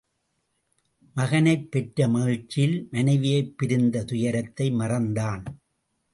மகனைப் பெற்ற மகிழ்ச்சியில் மனைவியைப் பிரிந்த துயரத்தை மறந்தான்.